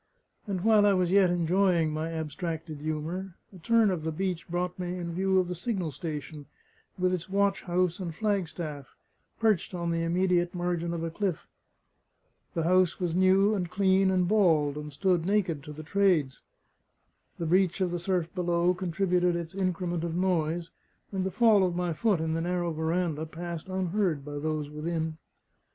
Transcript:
And while I was yet enjoying my abstracted humour, a turn of the beach brought me in view of the signal station, with its watch house and flag staff, perched on the immediate margin of a cliff. The house was new and clean and bald, and stood naked to the Trades. The wind beat about it in loud squalls; the seaward windows rattled without mercy; the breach of the surf below contributed its increment of noise; and the fall of my foot in the narrow verandah passed unheard by those within.